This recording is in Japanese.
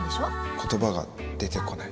言葉が出てこない。